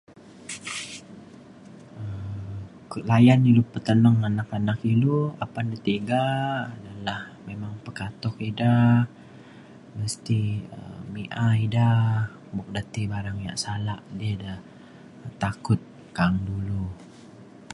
um layan ilu peteneng teneng anak ilu apan tiga adalah memang pekatuk ida mesti um mi'a ida buk ida ti barang yak salak edi da takut ngan dulu